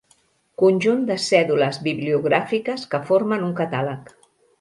Conjunt de cèdules bibliogràfiques que formen un catàleg.